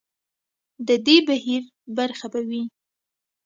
د دې بهیر برخه به وي.